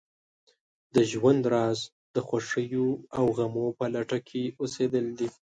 د ژوند راز د خوښیو او غمو په لټه کې اوسېدل دي.